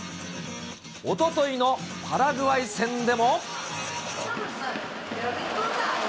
おとといのパラグアイ戦でも。